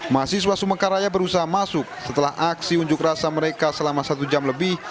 mahasiswa sumekaraya berusaha masuk setelah aksi unjuk rasa mereka selama satu jam lebih